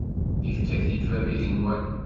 Yefka-t-id bab igenwan.